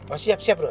oh siap siap bro